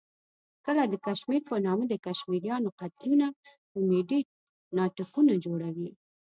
کله د کشمیر په نامه د کشمیریانو قتلونه کومیډي ناټکونه جوړوي.